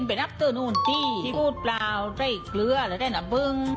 เป็นอัพเตอร์นูนที่ที่พูดเปล่าได้เกลือและได้น้ำบึง